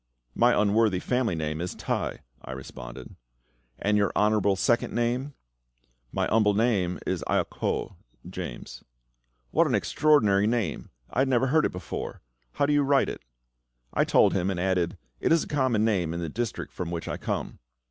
"My unworthy family name is Tai," I responded. "And your honourable second name?" "My humble name is Ia koh" (James). "What an extraordinary name! I never heard it before. How do you write it?" I told him, and added, "It is a common name in the district from which I come."